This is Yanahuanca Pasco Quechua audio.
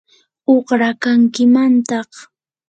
uqrakankimantaq.